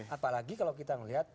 apalagi kalau kita melihat